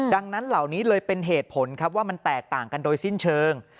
ดังนั้นเหล่านี้เลยเป็นเหตุผลครับว่ามันแตกต่างกันโดยสิ้นเชิง